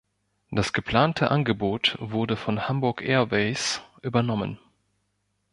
Das geplante Angebot wurde von Hamburg Airways übernommen.